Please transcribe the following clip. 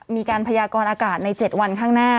มีการพยากรอากาศใน๗วันข้างหน้า